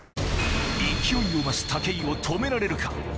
勢いを増す武井を止められるか？